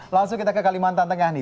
langsung kita ke kalimantan tengah nih